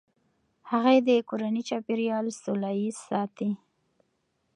هغې د کورني چاپیریال سوله ایز ساتي.